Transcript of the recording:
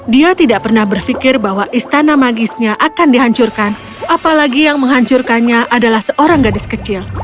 dia tidak pernah berpikir bahwa istana magisnya akan dihancurkan apalagi yang menghancurkannya adalah seorang gadis kecil